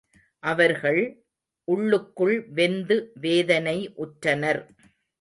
அவர்கள் உள்ளுக்குள் வெந்து வேதனை உற்றனர்.